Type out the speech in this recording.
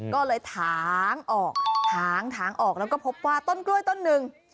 ก็เลยถางออกถางถางออกแล้วก็พบว่าต้นกล้วยต้นหนึ่ง